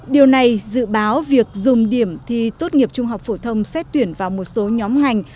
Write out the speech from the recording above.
điều này dự báo việc dùng điểm thi tốt nghiệp trung học phổ thông xét tuyển vào một số nhóm ngành